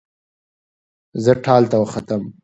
زه ټال ته وختم